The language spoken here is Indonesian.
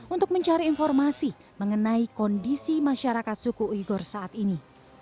untuk mencari informasi mengenai kondisi masyarakat suku uyghur saat ini